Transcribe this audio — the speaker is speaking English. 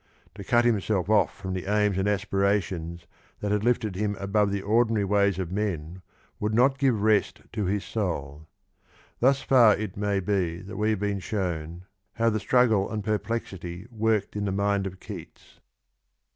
To cut himself off from the aims and aspirations that had lifted him above the ordinary ways of men would not give rest to his soul. Thus far it may be that we have been shown how the strug gle and pe rplexity worke d in the mind of Keats.